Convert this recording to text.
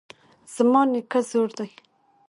زما نیکه زوړ دی